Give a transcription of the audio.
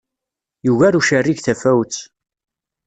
Yuger ucerrig tafawet.